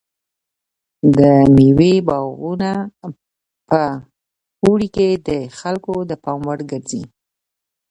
د مېوې باغونه په اوړي کې د خلکو د پام وړ ګرځي.